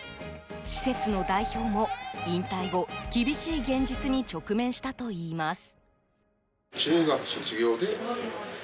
施設の代表も引退後厳しい現実に直面したといいます。